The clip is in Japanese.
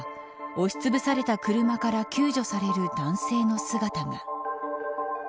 押しつぶされた車から救助される男性の姿が。